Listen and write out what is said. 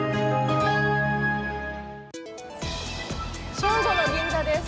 正午の銀座です。